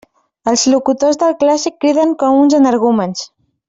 Els locutors del clàssic criden com uns energúmens.